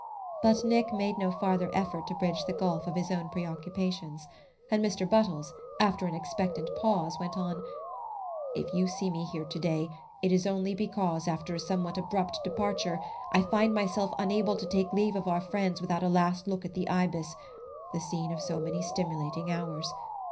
But Nick made no farther effort to bridge the gulf of his own preoccupations; and Mr. Buttles, after an expectant pause, went on: "If you see me here to day it is only because, after a somewhat abrupt departure, I find myself unable to take leave of our friends without a last look at the Ibis the scene of so many stimulating hours.